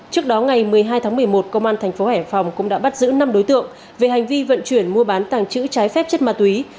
trước đó ngày một mươi hai tháng một mươi một công an thành phố hải phòng cũng đã bắt giữ năm đối tượng về hành vi vận chuyển mua bán tàng trữ trái phép chất ma túy